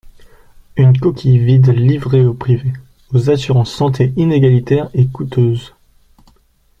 Une coquille vide livrée au privé, aux assurances santé inégalitaires et coûteuses.